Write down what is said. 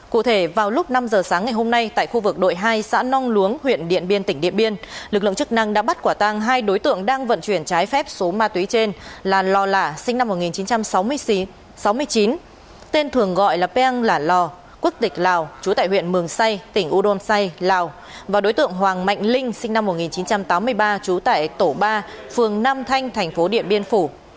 cụ thể vào lúc năm giờ sáng ngày hôm nay tại khu vực đội hai xã nong luống huyện điện biên tỉnh điện biên lực lượng chức năng đã bắt quả tang hai đối tượng đang vận chuyển trái phép số ma túy trên là lò lả sinh năm một nghìn chín trăm sáu mươi chín tên thường gọi là peng lả lò quốc tịch lào chú tại huyện mường say tỉnh u đôn say lào và đối tượng hoàng mạnh linh sinh năm một nghìn chín trăm tám mươi ba chú tại tổ ba phường nam thanh thành phố điện biên phủ